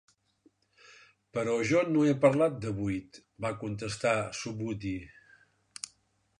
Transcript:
"Però jo no he parlat de buit", va contestar en Subhuti.